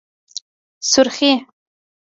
💄سورخي